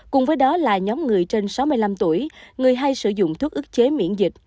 cùng với đó là nhóm người trên sáu mươi năm tuổi người hay sử dụng thuốc ức chế miễn dịch